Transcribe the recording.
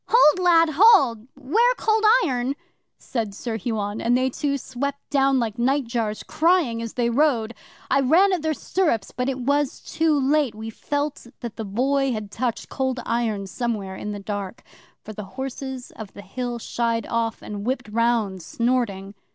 '"Hold, lad, hold! 'Ware Cold Iron!" said Sir Huon, and they two swept down like nightjars, crying as they rode. 'I ran at their stirrups, but it was too late. We felt that the Boy had touched Cold Iron somewhere in the dark, for the Horses of the Hill shied off, and whipped round, snorting.